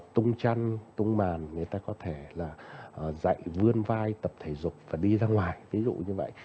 tùng chăn tùng màn người ta có thể là dạy vươn vai tập thể dục và đi ra ngoài thí dụ như vậy